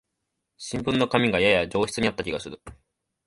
新聞の紙がやや上質になった気がする